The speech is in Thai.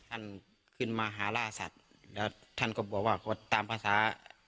ท่านขึ้นมาหาล่าสัตว์แล้วท่านก็บอกว่าก็ตามภาษา